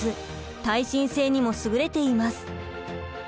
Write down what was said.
耐震性にもすぐれています。